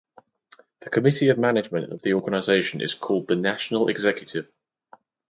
The Committee of Management of the organisation is called the National Executive.